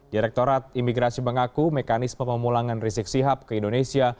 direktorat imigrasi mengaku mekanisme pemulangan rizik sihab ke indonesia